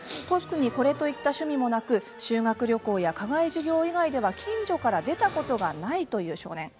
特にこれといった趣味もなく修学旅行や課外授業以外では近所から出たことがないという少年。